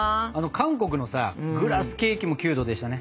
韓国のさグラスケーキもキュートでしたね。